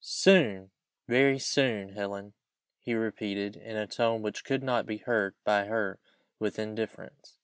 "Soon! very soon, Helen!" he repeated, in a tone which could not be heard by her with indifference.